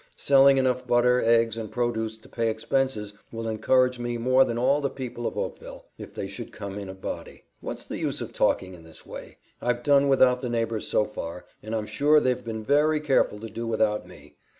Selling enough butter, eggs, and produce to pay expenses will encourage me more than all the people of Oakville, if they should come in a body. What's the use of talking in this way? I've done without the neighbors so far, and I'm sure they've been very careful to do without me.